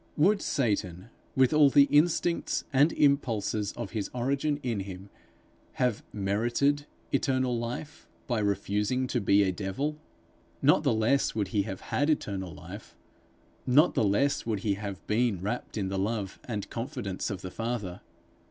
Would Satan, with all the instincts and impulses of his origin in him, have merited eternal life by refusing to be a devil? Not the less would he have had eternal life; not the less would he have been wrapt in the love and confidence of the Father.